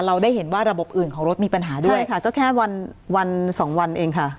เราได้เห็นว่าระบบอื่นของรถมีปัญหาด้วยใช่ค่ะก็แค่วันวันสองวันเองค่ะ